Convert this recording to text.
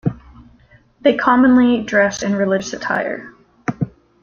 They commonly dress in religious attire.